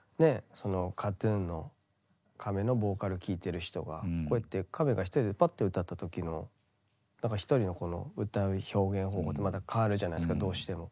そのＫＡＴ−ＴＵＮの亀のボーカル聴いてる人がこうやって亀が一人でパッて歌った時の何か一人のこの歌う表現方法ってまた変わるじゃないですかどうしても。